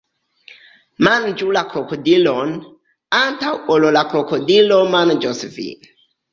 Manĝu la krokodilon, antaŭ ol la krokodilo manĝos vin!